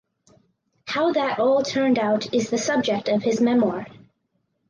How that all turned out is the subject of his memoir.